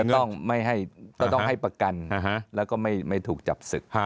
ต้องให้ประกันแล้วก็ไม่ถูกจับศึก